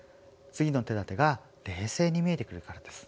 次の手だてが冷静に見えてくるからです。